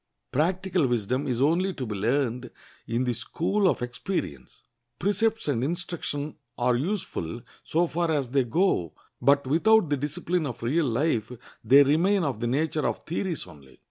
Practical wisdom is only to be learned in the school of experience. Precepts and instruction are useful so far as they go; but without the discipline of real life they remain of the nature of theories only.